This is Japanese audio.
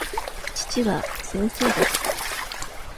父は先生です。